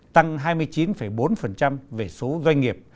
tăng hai mươi chín bốn về số doanh nghiệp